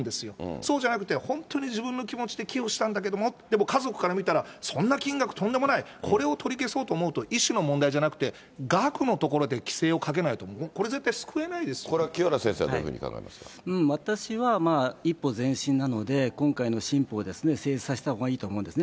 そうじゃなくて、本当に自分の気持ちで寄付したんだけれども、でも家族から見たら、そんな金額とんでもない、これを取り消そうと思うと、意思の問題じゃなくて額のところで規制をかけないとこれ絶対救えこれは清原先生はどういうふ私は一歩前進なので、今回の新法ですね、成立させたほうがいいと思うんですね。